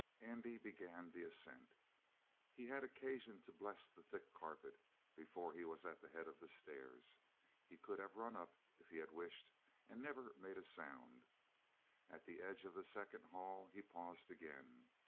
Andy began the ascent. He had occasion to bless the thick carpet before he was at the head of the stairs; he could have run up if he had wished, and never have made a sound. At the edge of the second hall he paused again.